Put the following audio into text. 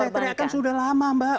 dan ini saya teriakkan sudah lama mbak